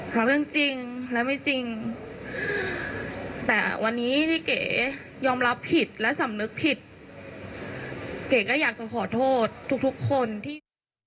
ทั้งเรื่องจริงและไม่จริงแต่วันนี้ที่เก๋ยอมรับผิดและสำนึกผิดเก๋ก็อยากจะขอโทษทุกทุกคนที่